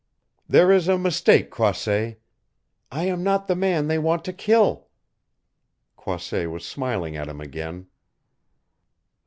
"There is a mistake, Croisset. I am not the man they want to kill!" Croisset was smiling at him again.